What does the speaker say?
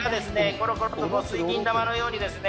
コロコロとこう水銀玉のようにですね